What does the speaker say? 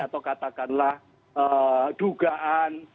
atau katakanlah dugaan